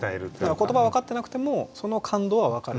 言葉は分かってなくてもその感動は分かるっていう。